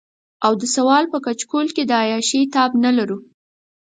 او د سوال په کچکول کې د عياشۍ تاب نه لرو.